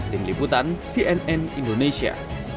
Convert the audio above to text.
tim liputan cnn indonesia